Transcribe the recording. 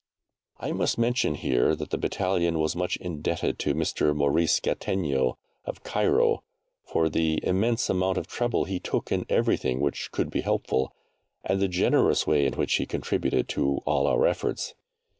I must mention here that the battalion was much indebted to Mr. Maurice Gattegno, of Cairo, for the immense amount of trouble he took in everything which could be helpful, and the generous way in which he contributed to all our comforts.